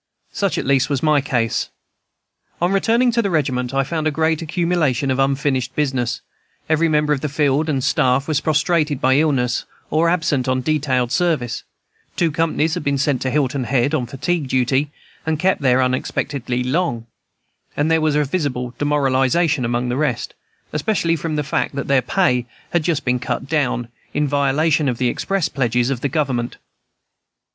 Such at least was my case. On returning to the regiment I found a great accumulation of unfinished business; every member of the field and staff was prostrated by illness or absent on detailed service; two companies had been sent to Hilton Head on fatigue duty, and kept there unexpectedly long: and there was a visible demoralization among the rest, especially from the fact that their pay had just been cut down, in violation of the express pledges of the government.